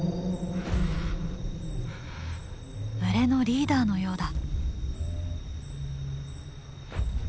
群れのリーダーのようだ。